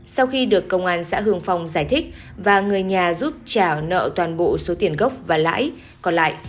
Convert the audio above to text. sau khi được công an xã hương phong giải thích và người nhà giúp trả nợ toàn bộ số tiền gốc và lãi còn lại